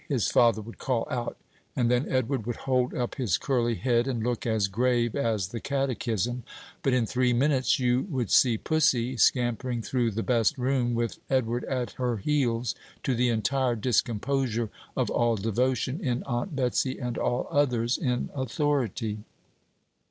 his father would call out; and then Edward would hold up his curly head, and look as grave as the catechism; but in three minutes you would see "pussy" scampering through the "best room," with Edward at her heels, to the entire discomposure of all devotion in Aunt Betsey and all others in authority.